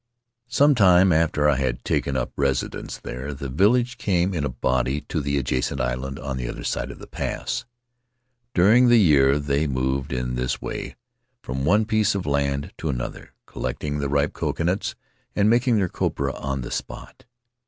Some time after I had taken up residence there the village came in a body to the adjacent island on the other side of the pass. During the year they moved in this way from one piece of land to another, collecting the ripe coconuts and making their copra on the spot.